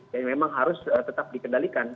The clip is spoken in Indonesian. ya memang harus tetap dikendalikan